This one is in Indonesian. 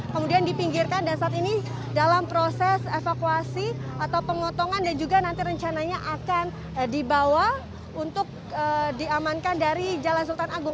kemudian dipinggirkan dan saat ini dalam proses evakuasi atau pengotongan dan juga nanti rencananya akan dibawa untuk diamankan dari jalan sultan agung